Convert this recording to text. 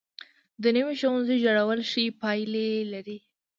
د نویو ښوونځیو جوړول ښې پایلې لري.